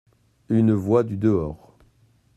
UNE VOIX DU DEHORS.